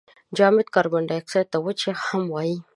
جامد کاربن دای اکساید ته وچ یخ هم وايي.